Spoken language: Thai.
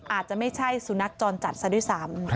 อาจจะไม่ใช่สุนัขจรจัดซะด้วยซ้ำ